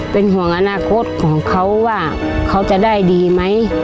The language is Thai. เป็นห่วงอนาคตของเขาว่าเขาจะได้ดีไหม